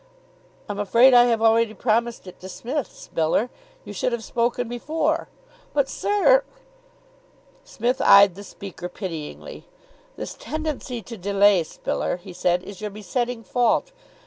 "I'm afraid I have already promised it to Smith, Spiller. You should have spoken before." "But, sir " Psmith eyed the speaker pityingly. "This tendency to delay, Spiller," he said, "is your besetting fault.